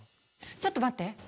ちょっと待って！